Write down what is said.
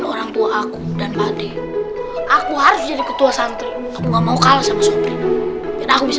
orang tua aku dan padi aku harus jadi ketua santri aku nggak mau kalah sama supir aku bisa